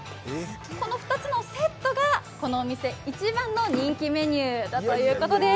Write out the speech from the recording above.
この２つのセットがこのお店一番の人気メニューだということです。